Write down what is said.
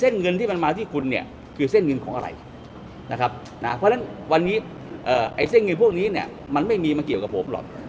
เพราะฉะนั้นวันนี้ไอ้เส้นเงินพวกนี้เนี่ยมันไม่มีมาเกี่ยวกับผมหรอก